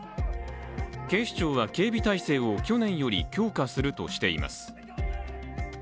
警視庁は警備態勢を去年より強化するとしています。